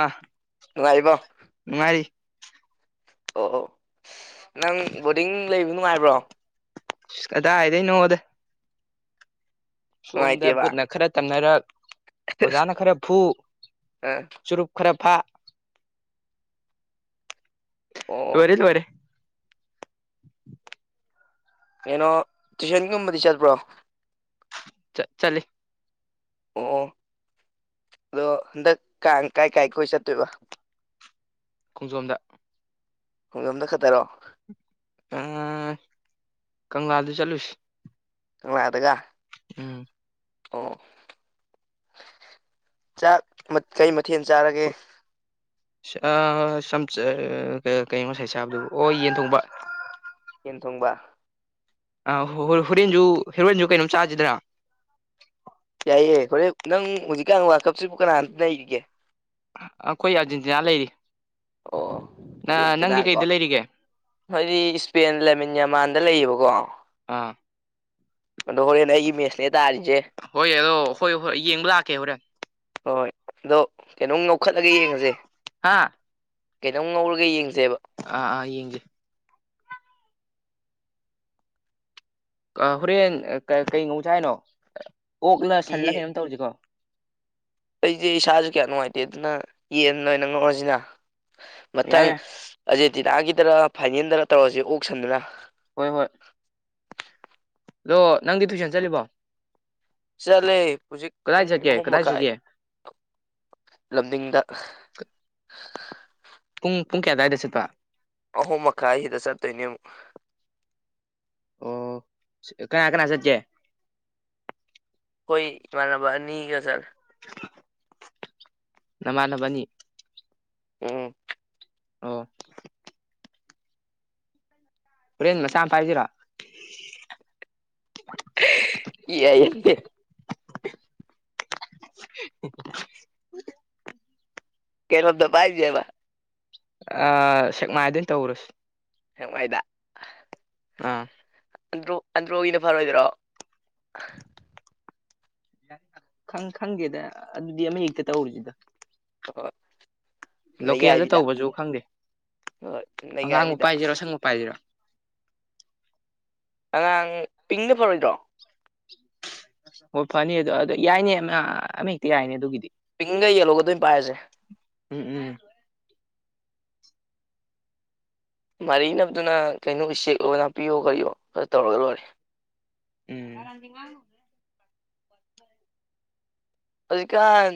ꯑꯥ ꯅꯨꯡꯉꯥꯏꯔꯤꯕꯣ ꯅꯨꯡꯉꯥꯏꯔꯤ ꯑꯣ ꯅꯪ ꯕꯣꯔꯗꯤꯡ ꯂꯩꯕꯗꯣ ꯅꯨꯡꯉꯥꯏꯕ꯭ꯔꯣ ꯑꯁ ꯀꯗꯥꯏꯗꯩꯅꯣꯗ ꯁꯣꯝꯗ ꯅꯨꯡꯉꯥꯏꯇꯦꯕ ꯄꯨꯠꯅ ꯈꯔ ꯇꯝꯅꯔꯛ ꯑꯣꯖꯥꯅ ꯈꯔ ꯐꯨ ꯑ ꯆꯨꯔꯨꯞ ꯈꯔ ꯐꯥ ꯑꯣ ꯂꯣꯏꯔꯦ ꯂꯣꯏꯔꯦ ꯀꯩꯅꯣ ꯇꯨꯏꯁꯟꯒꯨꯝꯕꯗꯤ ꯆꯠꯄ꯭ꯔꯣ ꯆꯠ ꯆꯠꯂꯤ ꯑꯣ ꯑꯣ ꯑꯗꯣ ꯍꯟꯗꯛ ꯀꯥꯡ ꯀꯥꯏ ꯀꯥꯏ ꯀꯣꯏꯕ ꯆꯠꯇꯣꯏꯕ ꯈꯣꯡꯖꯣꯝꯗ ꯈꯨꯡꯖꯣꯝꯗ ꯈꯠꯇꯔꯣ ꯎꯝ ꯀꯪꯂꯥꯗ ꯆꯠꯂꯨꯁꯦ ꯀꯪꯂꯥꯗꯒ ꯎꯝ ꯑꯣ ꯆꯥꯛ ꯀꯩ ꯃꯊꯦꯜ ꯆꯥꯔꯒꯦ ꯑꯥ ꯁꯝꯆ ꯀꯩꯅꯣ ꯉꯁꯥꯏ ꯆꯥꯕꯗꯨ ꯑꯣ ꯌꯦꯟ ꯊꯣꯡꯕ ꯌꯦꯟ ꯊꯣꯡꯕ ꯑꯥ ꯍꯣꯔꯦꯟꯁꯨ ꯍꯣꯔꯦꯟꯁꯨ ꯀꯩꯅꯣꯝ ꯆꯥꯖꯤꯗꯅ ꯌꯥꯏꯌꯦ ꯍꯣꯔꯦꯟ ꯅꯪ ꯍꯧꯖꯤꯛꯀꯥꯟ ꯋꯥꯀꯞꯁꯤꯕꯨ ꯀꯅꯥꯝꯇ ꯂꯩꯔꯤꯒꯦ ꯑꯩꯈꯣꯏ ꯑꯥꯔꯖꯦꯟꯇꯤꯅꯥ ꯂꯩꯔꯤ ꯑꯣ ꯅ ꯅꯪꯗꯤ ꯑꯔꯖꯦꯟꯇꯤꯅꯥꯀꯣ ꯀꯩꯗ ꯂꯩꯔꯤꯒꯦ ꯈꯣꯏꯗꯤ ꯏꯁꯄꯦꯟ ꯂꯦꯃꯤꯟ ꯌꯃꯥꯟꯗ ꯂꯩꯌꯦꯕꯀꯣ ꯑꯥ ꯑꯗꯣ ꯍꯣꯔꯦꯟ ꯑꯩꯒꯤ ꯃꯦꯁꯅꯦ ꯇꯥꯔꯤꯁꯦ ꯍꯣꯏ ꯑꯗꯣ ꯍꯣꯏ ꯍꯣꯏ ꯌꯦꯡꯕ ꯂꯥꯛꯀꯦ ꯍꯣꯔꯦꯟ ꯍꯣꯏ ꯑꯗꯣ ꯀꯩꯅꯣꯝ ꯉꯧꯈꯠꯂꯒ ꯌꯦꯡꯉꯁꯦ ꯍꯥꯥ ꯀꯩꯅꯣꯝ ꯉꯧꯔꯒ ꯌꯦꯡꯖꯦꯕ ꯑꯥ ꯑꯥ ꯌꯦꯡꯖꯦ ꯑꯥ ꯍꯣꯔꯦꯟ ꯀꯩ ꯀꯩ ꯉꯧꯖꯦ ꯍꯥꯏꯅꯣ ꯑꯣꯛꯂ ꯁꯜꯂ ꯀꯩꯅꯣꯝ ꯇꯧꯔꯖꯦꯀꯣ ꯑꯩꯖꯦ ꯏꯁꯥꯁꯨ ꯀꯌꯥ ꯅꯨꯡꯉꯥꯏꯇꯦ ꯑꯗꯨꯅ ꯌꯦꯟ ꯑꯣꯏꯅ ꯉꯧꯔꯖꯤꯅ ꯌꯥꯏ ꯃꯊꯪ ꯌꯥꯏ ꯑꯖꯦꯇꯤꯅꯥꯒꯤꯗꯔ ꯐꯥꯏꯅꯦꯜꯗ ꯇꯧꯔꯖꯦ ꯑꯣꯛ ꯁꯟꯗꯨꯅ ꯍꯣꯏ ꯍꯣꯏ ꯑꯗꯣ ꯅꯪꯗꯤ ꯇꯨꯏꯁꯟ ꯆꯠꯂꯤꯕꯣ ꯆꯠꯂꯦ ꯍꯧꯖꯤꯛ ꯀꯗꯥꯏ ꯄꯨꯡ ꯆꯠꯀꯦ ꯑꯍꯨꯝ ꯀꯗꯥꯏ ꯃꯈꯥꯏ ꯆꯠꯀꯦ ꯂꯝꯗꯤꯡꯗ ꯄꯨꯡ ꯄꯨꯡ ꯀꯌꯥ ꯑꯋꯥꯏꯗ ꯆꯠꯄ ꯑꯍꯨꯝ ꯃꯈꯥꯏꯁꯤꯗ ꯆꯠꯇꯣꯏꯅꯦ ꯑꯃꯨꯛ ꯑꯣ ꯀꯅꯥ ꯀꯅꯥ ꯆꯠꯀꯦ ꯈꯣꯏ ꯏꯃꯥꯟꯅꯕ ꯑꯅꯤꯒ ꯆꯠꯂꯦ [inaudible] ꯅꯃꯥꯟꯅꯕꯅꯤ ꯎꯝ ꯑꯣ ꯍꯣꯔꯦꯟ ꯃꯆꯥ ꯑꯃ ꯄꯥꯏꯁꯤꯔꯥ [unintelligible] ꯌꯥꯏꯌꯦ [inaudible] ꯀꯩꯅꯣꯗ ꯄꯥꯏꯖꯦꯕ ꯑ ꯁꯦꯛꯃꯥꯏꯗ ꯑꯣꯏꯅ ꯇꯧꯔꯨꯁꯤ ꯁꯦꯛꯃꯥꯏꯗ ꯑꯥ ꯑꯟꯗ꯭ꯔꯣ ꯑꯟꯗ꯭ꯔꯣꯒꯤꯅ ꯐꯔꯣꯏꯗ꯭ꯔꯣ ꯈꯪ ꯈꯪꯗꯦꯗ ꯑꯗꯨꯗꯤ ꯑꯃ ꯍꯦꯛꯇ ꯇꯧꯔꯨꯁꯤꯗ ꯍꯍꯣꯏ ꯂꯣꯀꯦꯜꯗ ꯅꯩꯒꯥꯏꯕꯤꯗ ꯇꯧꯕꯁꯨ ꯈꯪꯗꯦ ꯍꯣꯏ ꯑꯉꯥꯡꯕ ꯅꯩꯒꯥꯏꯕꯤꯗ ꯄꯥꯏꯁꯤꯔꯣ ꯑꯁꯪꯕ ꯄꯥꯏꯁꯤꯔ ꯑꯉꯥꯡ ꯄꯤꯡꯅ ꯐꯔꯣꯏꯗ꯭ꯔꯣ ꯍꯣꯏ ꯐꯅꯤ ꯑꯗꯣ ꯑ ꯌꯥꯏꯅꯦ ꯑꯃ ꯍꯦꯛꯇ ꯌꯥꯏꯅꯦ ꯑꯗꯨꯒꯤꯗꯤ ꯄꯤꯡꯒ ꯌꯦꯜꯂꯣꯒꯗꯨ ꯑꯣꯏꯅ ꯄꯥꯏꯔꯁꯦ ꯎꯝ ꯎꯝ ꯃꯥꯔꯤꯅꯕꯗꯨꯅ ꯀꯩꯅꯣ ꯎꯆꯦꯛꯂꯣ ꯅꯥꯄꯤꯌꯣ ꯀꯔꯤꯌꯣ ꯈꯔ ꯇꯧꯔꯒ ꯂꯣꯏꯔꯦ ꯎꯝ ꯍꯧꯖꯤꯛꯀꯥꯟ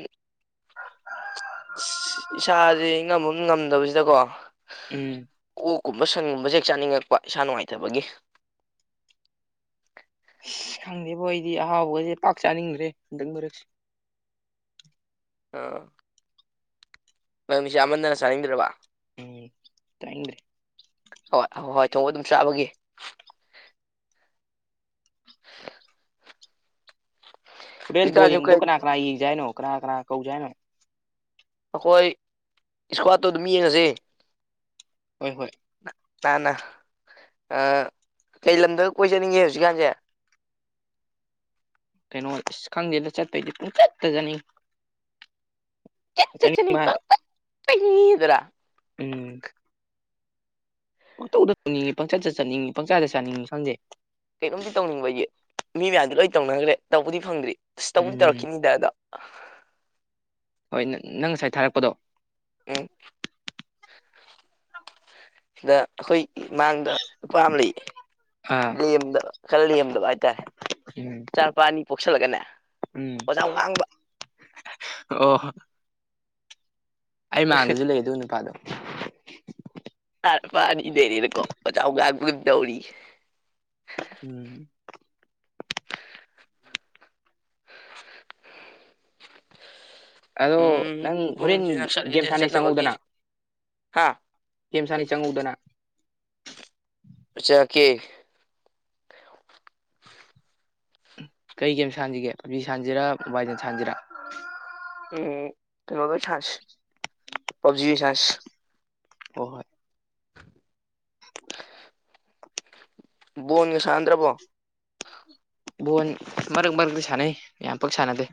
ꯏꯁꯥꯥꯁꯦ ꯏꯉꯝꯃꯝ ꯉꯝꯗꯕꯁꯤꯗꯀꯣ ꯎꯝ ꯑꯣꯛꯀꯨꯝꯕ ꯁꯟꯒꯨꯝꯕꯁ ꯍꯦꯛ ꯆꯥꯅꯤꯡꯉꯛꯄ ꯏꯁꯥ ꯅꯨꯡꯉꯥꯏꯇꯕꯒꯤ ꯑꯁ ꯈꯪꯗꯦꯕꯣ ꯑꯩꯗꯤ ꯑꯍꯥꯎꯕꯒꯁꯦ ꯄꯥꯛ ꯆꯥꯅꯤꯡꯈ꯭ꯔꯦ ꯍꯟꯗꯛ ꯃꯔꯛꯁꯦ ꯑ ꯅꯪꯗꯤ ꯆꯥꯃꯟꯗꯅ ꯆꯥꯅꯤꯡꯗ꯭ꯔꯕ ꯎꯝ ꯇꯥꯅꯤꯡꯗꯔꯦ ꯍꯣꯏ ꯍꯋꯥꯢ ꯊꯣꯡꯕ ꯑꯗꯨꯝ ꯆꯥꯕꯒꯤ [inaudible] ꯍꯣꯔꯦꯟ ꯕꯣꯜ ꯍꯧꯖꯤꯛꯀꯥꯟꯁꯨ ꯌꯦꯡꯕꯗꯨ ꯀꯩ ꯀꯅꯥ ꯀꯅꯥ ꯌꯦꯡꯖ ꯍꯥꯏꯅꯣ ꯀꯅꯥ ꯀꯅꯥ ꯀꯧꯖ ꯍꯥꯏꯅꯣ ꯑꯈꯣꯏ ꯏꯁꯀ꯭ꯋꯥꯠꯇꯣ ꯑꯗꯨꯝ ꯌꯦꯡꯉꯖꯦ ꯍꯣꯏ ꯍꯣꯏ ꯅ ꯅ ꯀꯩ ꯂꯝꯗꯒ ꯀꯣꯏ ꯆꯠꯅꯤꯡꯒꯦ ꯍꯧꯖꯤꯛꯀꯥꯟꯖꯦ ꯀꯩꯅꯣ ꯏꯁ ꯈꯪꯗꯦꯗ ꯆꯠꯄꯩꯗꯤ ꯄꯨꯡ ꯆꯠꯇ ꯆꯠꯅꯤꯡꯉꯤ [unintelligible] ꯗꯨꯔꯥ ꯄꯪ ꯇꯧꯗ ꯇꯧꯅꯤꯡꯉꯤ ꯄꯪ ꯆꯠꯇ ꯆꯠꯅꯤꯡꯉꯤ ꯄꯪꯆꯥꯗ ꯆꯥꯅꯤꯡꯉꯤ ꯈꯪꯗꯦ ꯀꯩꯅꯣꯝꯗꯤ ꯇꯧꯅꯤꯡꯕꯒꯤ ꯃꯤ ꯃꯌꯥꯝꯗꯤ ꯂꯣꯏ ꯇꯧꯅꯈ꯭ꯔꯦ ꯇꯧꯕꯗꯤ ꯐꯪꯗ꯭ꯔꯤ ꯑꯁ ꯇꯧꯕꯕꯨꯗꯤ ꯎꯝ ꯇꯧꯔꯛꯈꯤꯅꯤꯗꯗꯣ ꯍꯣꯏ ꯅ ꯅꯪ ꯉꯁꯥꯏ ꯊꯥꯔꯛꯄꯗꯣ ꯎ ꯁꯤꯗ ꯑꯩꯈꯣꯏ ꯃꯃꯥꯡꯗ ꯅꯨꯨꯄꯥ ꯑꯃ ꯂꯩ ꯑꯥ ꯂꯦꯝꯗꯕ ꯈꯔ ꯂꯦꯝꯗꯕ ꯍꯥꯏꯇꯥꯔꯦ ꯎꯝ ꯆꯥꯅꯨꯄꯥ ꯑꯅꯤ ꯄꯣꯛꯁꯜꯂꯒꯅꯦ ꯎꯝ ꯋꯥꯖꯥꯎ ꯉꯥꯡꯕ ꯑꯣ ꯑꯩ ꯃꯥꯡꯗꯁꯨ ꯂꯩ ꯑꯗꯨ ꯅꯨꯄꯥꯗꯣ [unintelligible] ꯅꯨꯄꯥ ꯑꯅꯤ ꯂꯩꯔꯦꯅꯀꯣ ꯋꯥꯖꯥꯎ ꯉꯥꯡꯕ ꯑꯃ ꯇꯧꯔꯤ ꯎꯝ ꯑꯗꯣ ꯎꯝ ꯅꯪ ꯍꯣꯔꯦꯟ ꯒꯦꯝ ꯁꯥꯟꯅꯩ ꯆꯪꯉꯧꯗꯅ [unintelligible] ꯒꯦꯝ ꯁꯥꯅꯤ ꯆꯪꯉꯛꯎꯗꯅ ꯆꯪꯉꯛꯀꯦ ꯀꯩ ꯒꯦꯝ ꯁꯥꯥꯟꯁꯤꯒꯦ ꯄꯞꯖꯤ ꯁꯥꯥꯟꯁꯤꯔꯥ ꯃꯣꯕꯥꯏꯅ ꯂꯤꯖꯦꯟ ꯁꯥꯥꯟꯁꯤꯔꯥ ꯎꯝ ꯀꯩꯅꯣꯗꯣ ꯑꯣꯢ ꯁꯥꯟꯁꯤ ꯄꯞꯖꯤ ꯑꯣꯢ ꯁꯥꯟꯁꯤ ꯍꯣ ꯍꯣꯏ ꯕꯣꯟꯒ ꯁꯥꯟꯗ꯭ꯔꯕꯣ ꯕꯣꯟ ꯃꯔꯛ ꯃꯔꯛꯇ ꯁꯥꯟꯅꯩ ꯌꯥꯝ ꯄꯥꯛ ꯁꯥꯟꯅꯗꯦ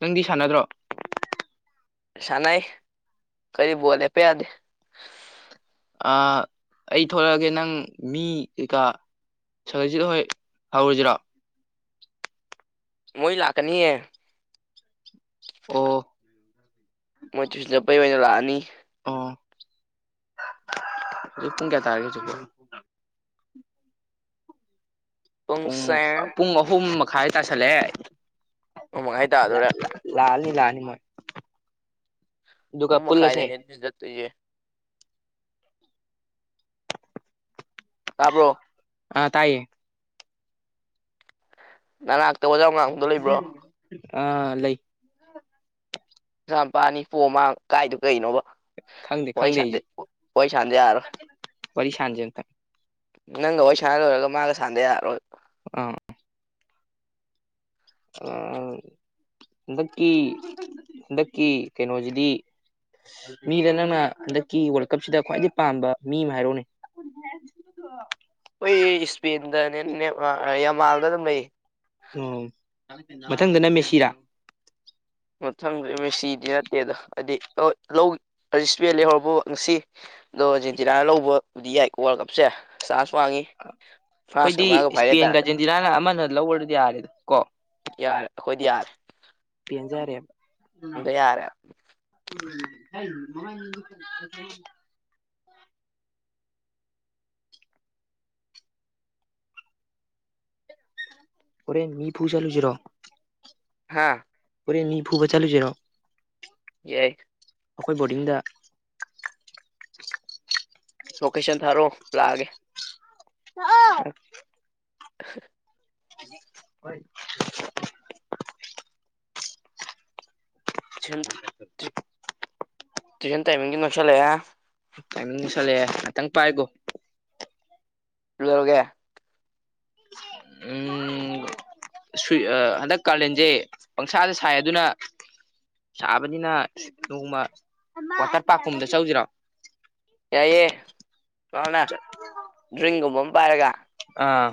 ꯅꯪꯗꯤ ꯁꯥꯟꯅꯗ꯭ꯔꯣ ꯁꯥꯟꯅꯩ ꯑꯈꯣꯢꯘꯤ ꯕꯣꯜ ꯂꯦꯞꯄ ꯌꯥꯗꯦ ꯑ ꯑꯩ ꯊꯂꯛꯑꯒꯦ ꯅꯪ ꯃꯤ ꯀꯩꯀꯥ ꯁꯍꯥꯖꯤꯠ ꯍꯣꯏ ꯍꯧꯔꯨꯖꯤꯔꯣ ꯃꯣꯏ ꯂꯥꯛꯀꯅꯤꯌꯦ ꯑꯣ ꯃꯣꯏ ꯆꯨꯢꯁꯟ ꯆꯠꯄꯩ ꯑꯣꯏꯅ ꯂꯥꯛꯑꯅꯤ ꯑꯣ ꯄꯨꯡ ꯀꯌꯥ ꯇꯥꯔꯑꯦ ꯍꯧꯖꯤꯛꯄꯣ ꯄꯨꯡ ꯄꯨꯡꯁꯦ ꯄꯨꯡ ꯑꯍꯨꯝ ꯃꯈꯥꯏ ꯇꯥꯁꯜꯂꯛꯑꯦ ꯑꯍꯨꯝ ꯃꯈꯥꯏ ꯇꯥꯗꯣꯔꯦ ꯂꯥꯛꯑꯅꯤ ꯂꯥꯛꯑꯅꯤ ꯃꯣꯏ ꯑꯗꯨꯒ ꯑꯍꯨꯝ ꯄꯨꯜꯂꯁꯦ ꯃꯈꯥꯢꯗꯅꯦ ꯇꯨꯢꯁꯟ ꯆꯠ ꯇꯣꯢꯁꯦ ꯇꯥꯕ꯭ꯔꯣ ꯑ ꯇꯥꯏꯌꯦ ꯅꯅꯥꯥꯛꯇ ꯋꯥꯖꯥꯥꯥꯎ ꯉꯥꯡ ꯑꯥ ꯂꯩ ꯃꯆꯥ ꯄꯥ ꯑꯅꯤ ꯄꯣꯛꯑ ꯃꯥꯅ ꯀꯥꯛꯢꯗꯣ ꯀꯩꯅꯣꯕ ꯈꯪꯗꯦ ꯋꯥꯔꯤ ꯈꯪꯗꯦ ꯁꯥꯟꯗꯦ ꯑꯩꯖꯨ ꯋꯥꯔꯤ ꯁꯥꯟꯗ ꯌꯥꯔꯣꯏ ꯋꯥꯔꯤ ꯁꯥꯟꯁꯦ ꯑꯝꯇ ꯅꯪꯒ ꯋꯥꯔꯤ ꯁꯥꯟꯅ ꯂꯣꯏꯔꯒ ꯃꯥꯒ ꯁꯥꯟꯗ ꯌꯥꯔꯔꯣꯏ ꯑꯥ ꯑ ꯍꯟꯗꯛꯀꯤ ꯍꯟꯗꯛꯀꯤ ꯀꯩꯅꯣꯖꯤꯗꯤ ꯃꯤꯗ ꯅꯪꯅ ꯍꯟꯗꯛꯀꯤ ꯋꯥꯔꯜ ꯀꯞꯁꯤꯗ ꯈ꯭ꯋꯥꯏꯗꯩ ꯄꯥꯝꯕ ꯃꯤ ꯑꯃ ꯍꯥꯏꯔꯛꯎꯅꯦ ꯍꯣꯢ ꯑꯩ ꯏꯁꯄꯦꯟꯒ ꯅꯦꯃꯥꯔ ꯌꯥꯃꯥꯜꯗ ꯑꯗꯨꯝ ꯂꯩꯌꯦ ꯑꯣ ꯃꯊꯪꯗꯅ ꯃꯦꯁꯤꯔꯥ ꯃꯊꯪꯗꯗꯣ ꯃꯦꯁꯤ ꯅꯠꯇꯦꯗ ꯍꯥꯏꯗꯤ ꯂꯧꯁ ꯁꯄꯦꯟ ꯂꯩꯍꯧꯔꯕꯣ ꯉꯁꯤ ꯑꯗꯣ ꯑꯔꯖꯦꯟꯇꯤꯅꯥꯅ ꯂꯧꯕꯕꯨꯗꯤ ꯌꯥꯏ ꯋꯥꯔꯜ ꯀꯞꯁꯦ ꯆꯥꯟꯁ ꯋꯥꯡꯉꯤ ꯐ꯭ꯔꯥꯟꯁꯀ ꯑꯩꯈꯣꯏꯗꯤ ꯃꯥꯒ ꯐꯥꯏꯅꯦꯜ ꯏꯁꯄꯦꯟ ꯇꯥꯔꯛꯀꯅꯤ ꯑꯥꯔꯖꯦꯟꯇꯤꯅꯥꯅ ꯑꯃꯅ ꯂꯧꯔꯗꯤ ꯌꯥꯔꯦꯗ ꯀꯣ ꯌꯥꯔꯦ ꯑꯩꯈꯣꯏꯗꯤ ꯌꯥꯔꯦ ꯄꯟꯖꯔꯦꯕ ꯎꯝ ꯑꯝꯇ ꯌꯥꯔꯦ [unintelligible] ꯍꯣꯔꯦꯟ ꯃꯤ ꯄꯨ ꯆꯠꯂꯨꯁꯤꯔꯣ ꯍꯥꯥ ꯍꯣꯔꯦꯟ ꯃꯤ ꯐꯨꯕ ꯆꯠꯂꯨꯁꯤꯔꯣ ꯌꯥꯏ ꯑꯩꯈꯣꯏ ꯕꯣꯔꯗꯤꯡꯗ ꯂꯣꯀꯦꯁꯟ ꯊꯥꯔꯛꯑꯣ ꯂꯥꯛꯑꯒꯦ ꯂꯥꯛꯑꯣ [unintelligible] [inaudible] ꯇꯨꯏꯁꯟ ꯇꯨꯏꯁꯟ ꯇꯥꯏꯃꯤꯡꯁꯨ ꯅꯛꯁꯤꯜꯂꯛꯑꯦ ꯇꯥꯏꯃꯤꯡ ꯌꯧꯁꯜꯂꯛꯑꯦ ꯉꯥꯛꯇꯪ ꯄꯥꯏꯒꯣ ꯀꯩꯗꯧꯔꯒꯦ ꯎꯝ ꯁꯨꯏ ꯍꯟꯗꯛ ꯀꯥꯂꯦꯟꯁꯦ ꯄꯪꯁꯥꯗ ꯁꯥꯏ ꯑꯗꯨꯅ ꯁꯥꯥꯕꯅꯤꯅ ꯅꯣꯡꯃ ꯋꯥꯇꯔ ꯄꯥꯔꯛꯀꯨꯝꯕꯗ ꯆꯧꯖꯤꯔꯣ ꯌꯥꯏꯌꯂ [unintelligible] ꯗ꯭ꯔꯤꯡꯒꯨꯝꯕ ꯑꯃ ꯄꯥꯏꯔꯒ ꯑꯥ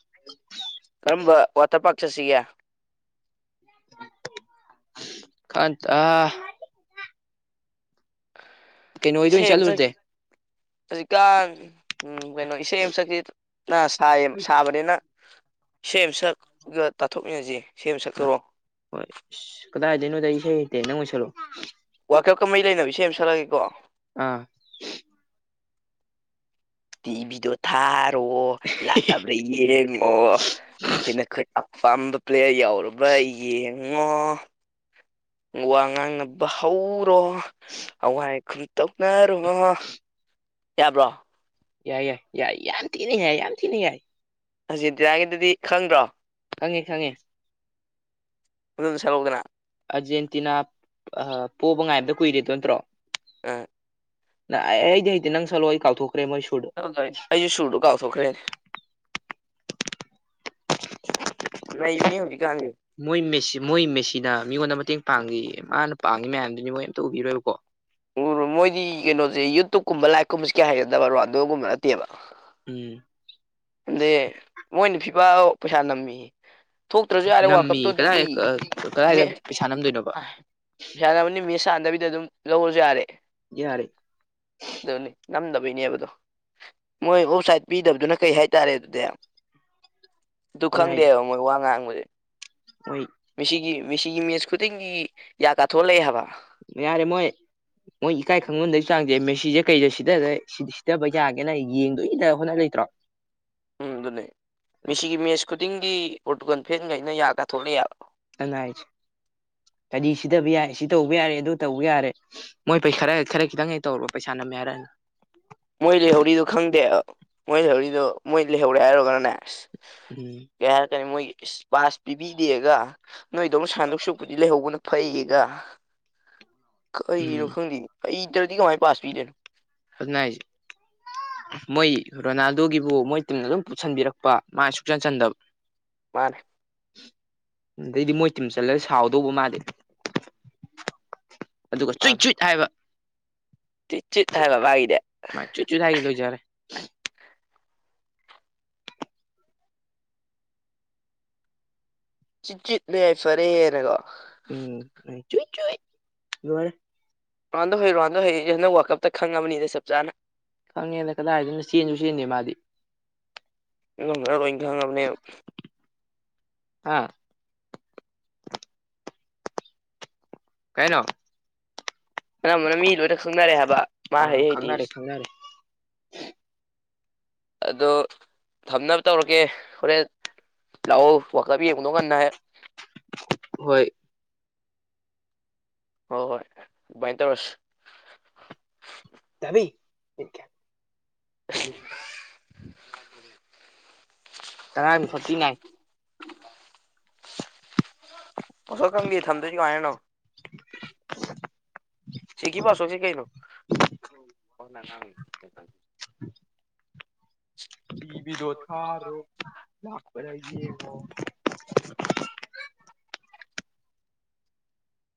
[inaudible] ꯀꯔꯝꯕ ꯋꯥꯇꯔ ꯄꯥꯔꯛ ꯆꯠꯁꯤꯒꯦ ꯀꯥꯟꯇꯥ ꯑꯥ ꯀꯩꯅꯣ ꯍꯣꯏꯗ ꯑꯣꯏꯅ ꯏꯁꯩ ꯑꯃ ꯆꯠꯂꯨꯔꯁꯦ ꯍꯧꯖꯤꯛꯀꯥꯟ ꯎꯝ ꯀꯩꯅꯣ ꯏꯁꯩ ꯑꯃ ꯁꯛꯁꯤ ꯅ ꯁꯥꯏ ꯁꯥꯕꯅꯤꯅ ꯏꯁꯩ ꯑꯃ ꯁꯛꯑꯒ ꯇꯥꯊꯣꯛꯃꯤꯟꯅꯁꯤ ꯏꯁꯩ ꯑꯃ ꯁꯛꯇꯣꯔꯛꯑꯣ ꯍꯣꯏ ꯑꯁ ꯀꯗꯥꯏꯗꯩꯅꯣꯗ ꯑꯩ ꯏꯁꯩ ꯍꯩꯇꯦ ꯅꯪ ꯑꯣꯏꯅ ꯁꯛꯂꯛꯑꯣ ꯋꯥꯔꯜꯀꯞꯀ ꯃꯔꯤ ꯂꯩꯅꯕ ꯏꯁꯩ ꯑꯃ ꯥꯁꯛꯂꯛꯑꯒꯦꯀꯣ ꯑꯥ ꯇꯤꯚꯤꯗꯣ ꯊꯥꯔꯣ ꯂꯥꯛꯂꯕ꯭ꯔ ꯌꯦꯡꯉꯣ [unintelligible] ꯑꯩꯈꯣꯏꯅ ꯑꯄꯥꯥꯝꯕ ꯄ꯭ꯂꯦꯌꯔ ꯌꯥꯎꯔꯕ ꯌꯦꯡꯉꯣ ꯋꯥ ꯉꯥꯡꯅꯕ ꯍꯧ ꯔꯣ ꯑꯋꯥꯏ ꯑꯈꯨꯝꯈ ꯇꯧꯅꯔꯣ ꯌꯥꯕ꯭ꯔꯣ ꯌꯥꯏ ꯌꯥꯏ ꯌꯥꯏ ꯌꯥꯝ ꯊꯤꯅꯤ ꯌꯥꯏ ꯌꯥꯝ ꯊꯤꯅ ꯌꯥꯏ ꯑꯥꯔꯖꯦꯟꯇꯤꯅꯥꯒꯤꯗꯨꯗꯤ ꯈꯪꯗ꯭ꯔꯣ ꯈꯪꯉꯦ ꯈꯪꯉꯦ ꯑꯗꯨ ꯑꯝꯇꯥ ꯁꯛꯂꯛꯎꯗꯅꯥ ꯑꯔꯖꯦꯟꯇꯤꯅꯥ ꯄꯣꯕ ꯉꯥꯏꯕꯗ ꯀꯨꯏꯔꯦꯗꯣ ꯅꯠꯇ꯭ꯔꯣ ꯑꯥ ꯅ ꯑꯩꯗꯤ ꯍꯩꯇꯦ ꯅꯪ ꯁꯛꯂꯛꯑꯣ ꯑꯩ ꯀꯥꯎꯊꯣꯛꯈ꯭ꯔꯦ ꯃꯣꯏ ꯁꯨꯔꯗꯣ ꯑꯩꯁꯨ ꯁꯨꯔꯗꯣ ꯀꯥꯎꯊꯣꯛꯈ꯭ꯔꯦꯅꯦ ꯅꯩꯕꯅꯦ ꯍꯧꯖꯤꯛꯀꯥꯟꯖꯦ ꯃꯣꯏ ꯃꯦꯁꯤ ꯃꯣꯏ ꯃꯦꯁꯤꯅ ꯃꯤꯉꯣꯟꯗ ꯃꯇꯦꯡ ꯄꯥꯡꯉꯤꯌꯦ ꯃꯥꯅ ꯄꯥꯡꯏ ꯃꯌꯥꯝꯗꯨꯗꯤ ꯃꯣꯏ ꯑꯝꯇ ꯎꯕꯤꯔꯣꯏꯕꯀꯣ ꯎꯔꯣ ꯃꯣꯏꯗꯤ ꯀꯩꯅꯣꯖꯦ ꯌꯨꯇꯌꯨꯞꯕ ꯀꯨꯝꯕ ꯂꯥꯏꯚ ꯀꯨꯝꯁꯦ ꯀꯌꯥ ꯍꯩꯅꯗꯕ ꯔꯣꯅꯥꯜꯗꯣꯒꯨꯝꯕ ꯅꯠꯇꯦꯕ ꯎꯝ ꯑꯗꯩ ꯃꯣꯏꯅ ꯐꯤꯐꯥ ꯄꯩꯁꯥ ꯅꯝꯃꯦꯌꯦ ꯊꯣꯛꯇ꯭ꯔꯁꯨ ꯌꯥꯔꯦ ꯅꯝꯃꯤ ꯋꯥꯔꯜꯀꯞꯇꯣ ꯑꯗꯨꯗꯤ ꯀꯗꯥꯏ ꯀꯗꯥꯏꯗ ꯄꯩꯁꯥ ꯅꯝꯗꯣꯏꯅꯣꯕ ꯄꯩꯁꯥ ꯅꯝꯕꯅꯤꯅ ꯃꯦꯠꯁ ꯁꯥꯟꯅꯕꯤꯗ ꯑꯗꯨꯝ ꯂꯧꯔꯖꯨ ꯌꯥꯔꯦ ꯌꯥꯔꯦ ꯑꯗꯨꯅꯤ ꯅꯝꯗꯕꯩꯅꯦꯕꯗꯣ ꯃꯣꯏ ꯑꯣꯞ ꯁꯥꯏꯠ ꯄꯤꯗꯕꯗꯨꯅ ꯀꯩ ꯍꯥꯏ ꯇꯥꯔꯦ ꯑꯗꯨꯗꯤ ꯑꯗꯨ ꯈꯪꯗꯦꯕ ꯃꯣꯏ ꯋꯥ ꯉꯥꯡꯕꯖꯦ ꯍꯣꯏ ꯃꯤꯁꯤꯒꯤ ꯃꯤꯁꯤꯒꯤ ꯃꯦꯠꯁ ꯈꯨꯗꯤꯡꯒꯤ ꯌꯥ ꯀꯥꯊꯣꯛꯑ ꯂꯩ ꯍꯥꯏꯕ ꯌꯥꯔꯦ ꯃꯣꯏ ꯃꯣꯏ ꯏꯀꯥꯏ ꯈꯪꯃꯟꯗꯕꯩ ꯆꯥꯡꯖꯦ ꯃꯦꯁꯤꯖꯦ ꯀꯩꯗ ꯁꯤ ꯁꯤꯊꯥꯕ ꯌꯥꯒꯦꯅꯥ ꯌꯦꯡꯗꯣꯏꯗꯥ ꯍꯣꯠꯅꯥ ꯂꯩꯇ꯭ꯔꯣ ꯎꯝ ꯑꯗꯨꯅꯦ ꯃꯤꯁꯤꯒꯤ ꯃꯦꯠꯆ ꯈꯨꯗꯤꯡꯒꯤ ꯄꯣꯔꯇꯨꯒꯟ ꯐꯦꯟꯈꯩꯅ ꯌꯥ ꯀꯥꯊꯣꯛꯑ ꯂꯩ ꯍꯥꯢꯕ ꯑꯗꯨꯅꯦ ꯍꯥꯏꯁꯦ ꯀꯔꯤ ꯁꯤꯗꯕ ꯌꯥꯏ ꯁꯤ ꯇꯧꯕ ꯌꯥꯔꯦ ꯑꯗꯨ ꯇꯧꯕ ꯌꯥꯔꯦ ꯃꯣꯏ [unintelligible] ꯈꯔꯥ ꯈꯤꯇꯪ ꯍꯦꯛ ꯇꯧꯔꯨꯔꯕ ꯄꯩꯁꯥ ꯅꯝꯃꯦ ꯍꯥꯏꯔꯛꯑꯅꯤ ꯃꯣꯏ ꯂꯩꯍꯧꯔꯤꯗꯣ ꯈꯪꯗꯦ ꯃꯣꯏ ꯂꯩꯍꯧꯔꯤꯗꯣ ꯃꯣꯏ ꯂꯩꯍꯧꯔꯦ ꯍꯥꯏꯔꯨꯔꯒꯅꯅꯦ ꯑꯁ ꯎꯝ ꯀꯩ ꯍꯥꯏꯔꯛꯀꯅꯤ ꯃꯣꯏꯒꯤ ꯏꯁ ꯄꯥꯥꯁ ꯄꯤꯕꯤꯗꯦꯒ ꯅꯣꯏꯗꯧꯅ ꯁꯥꯟꯗꯣꯛ ꯁꯨꯛꯄꯨꯗꯤ ꯂꯩꯍꯧꯕꯅ ꯐꯩꯌꯦꯒ ꯀꯩꯅꯣ ꯎꯝ ꯈꯪꯗꯦ ꯍꯩꯇ꯭ꯔꯗꯤ ꯀꯃꯥꯏ ꯄꯥꯁ ꯄꯤꯗꯣꯏꯅꯣ ꯗꯨꯅꯦ ꯍꯥꯏꯁꯦ꯫ [inaudible] ꯃꯣꯏ ꯔꯣꯅꯥꯜꯗꯣꯒꯤꯕꯨ ꯃꯣꯏ ꯇꯤꯝꯅ ꯑꯗꯨꯝ ꯄꯨꯁꯟꯕꯤꯔꯛꯄ ꯃꯥ ꯁꯨꯛꯆꯟ ꯆꯟꯗꯕ ꯃꯥꯅꯦ ꯑꯗꯩꯗꯤ ꯃꯣꯏ ꯇꯤꯝ ꯆꯜꯂꯒ ꯁꯥꯎꯗꯧꯕ ꯃꯥꯗꯤ ꯑꯗꯨꯒ ꯆꯨꯏꯠ ꯆꯨꯏꯠ ꯍꯥꯏꯕ ꯆꯤ ꯆꯨꯢꯠ ꯍꯥꯏꯕ ꯃꯥꯒꯤꯗꯤ ꯆꯨꯨꯢꯠ ꯆꯨꯏꯠ ꯍꯥꯢꯔ ꯂꯣꯏꯖꯔꯦ꯫ ꯆꯨꯢꯠ ꯆꯨꯢꯠꯅ ꯌꯥꯏ ꯐꯔꯦꯅꯀꯣ꯫ ꯎꯝ ꯆꯨꯢꯠ ꯆꯨꯢꯠ ꯂꯣꯏꯔꯦ꯫ ꯔꯥꯎꯟꯗꯣ ꯍꯩꯌꯦ ꯔꯥꯎꯟꯗꯣ ꯍꯩꯌꯦ ꯍꯟꯗꯛ ꯋꯥꯔꯜ ꯀꯞꯇ ꯈꯪꯉꯕꯅꯤꯗ ꯆꯞ ꯆꯥꯅ꯫ ꯈꯪꯉꯦꯅ ꯀꯗꯥꯏꯗꯩꯅꯣ ꯆꯦꯟꯖꯨ ꯆꯦꯟꯗꯦ ꯃꯥꯗꯤ꯫ ꯄꯨꯝꯅꯃꯛꯅ ꯂꯣꯏꯅ ꯈꯪꯉꯕꯅꯦꯕ ꯍꯥ ꯀꯩ ꯍꯥꯏꯅꯣ ꯫ ꯑꯅꯝꯕꯅ ꯃꯤ ꯂꯣꯏꯅ ꯈꯪꯅꯔꯦ ꯍꯥꯏꯕ ꯃꯥ ꯑꯥ ꯍꯩ ꯈꯪꯅꯔꯦ ꯍꯩꯇꯦꯁꯦ꯫ ꯈꯪꯅꯔꯦ ꯑꯗꯣ ꯊꯝꯅꯕ ꯇꯧꯔꯒꯦ ꯍꯣꯔꯦꯟ꯫ ꯂꯥꯛꯑꫭ ꯋꯥꯜ ꯀꯞ ꯌꯦꯡꯕꯗꯣ ꯉꯟꯅ ꯍꯦꯛ ꯍꯣꯢ ꯍꫭ ꯍꯣꯏ ꯗꯨꯃꯥꯏ ꯇꯧꯔꯁꯤ꯫ ꯊꯥꯕꯤ ꯃꯤꯅꯤꯠ ꯀꯌꯥ [inaudible] ꯇꯔꯥ ꯃꯤꯅꯤꯠ ꯐꯣꯔꯇꯤꯅꯥꯏꯟ꯫ ꯄꯥꯁꯋꯥꯔꯗ ꯈꯪꯗꯦ ꯊꯝꯗꯣꯏꯁꯦ ꯀꯃꯥꯏꯅꯅꯣ ꯫ ꯁꯤꯒꯤ ꯄꯥꯁꯋꯥꯔꯗ ꯁꯦ ꯀꯩꯅꯣ꯫ [inaudible] ꯇꯤꯕꯤꯗꯣ ꯊꯥꯔꯣ ꯂꯥꯛꯄꯔ ꯌꯦꯡꯉꫭ꯫